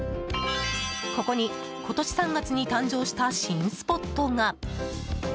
ここに今年３月に誕生した新スポットが。